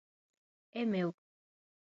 É meu!